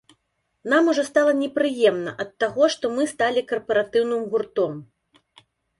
Нам ужо стала непрыемна ад таго, што мы сталі карпаратыўным гуртом.